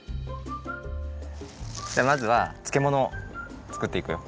じゃあまずはつけものを作っていくよ。